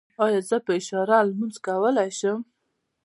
ایا زه په اشاره لمونځ کولی شم؟